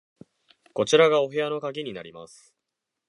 こちらがお部屋の鍵になります。